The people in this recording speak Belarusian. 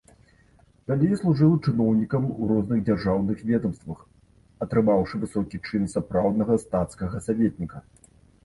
Далей служыў чыноўнікам у розных дзяржаўных ведамствах, атрымаўшы высокі чын сапраўднага стацкага саветніка.